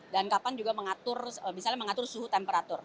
dan kapan juga mengatur suhu temperatur